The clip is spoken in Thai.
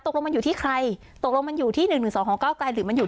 ตกลงมันอยู่ที่ใครตกลงมันอยู่ที่๑๑๒ของเก้าไกลหรือมันอยู่